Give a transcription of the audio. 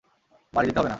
বাড়ি যেতে হবে না।